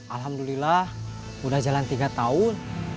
alhamdulillah udah jalan tiga tahun